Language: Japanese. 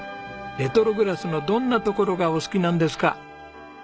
レトログラスのどんなところがお好きなんですか？